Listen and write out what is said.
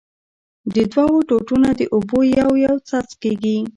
د دؤو ټوټو نه د اوبو يو يو څک کېږي